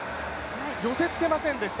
寄せつけませんでした。